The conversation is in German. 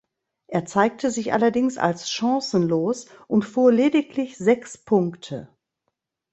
Er zeigte sich allerdings als chancenlos und fuhr lediglich sechs Punkte.